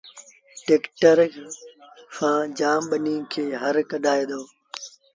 ٽيڪٽر سآݩ جآم ٻنيٚ کي هر ڪڍآئي دو